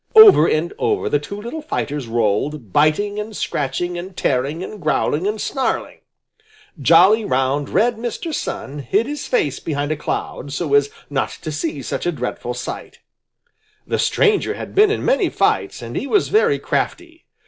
Over and over the two little fighters rolled, biting and scratching and tearing and growling and snarling. Jolly, round, red Mr. Sun hid his face behind a cloud, so as not to see such a dreadful sight. The stranger had been in many fights and he was very crafty.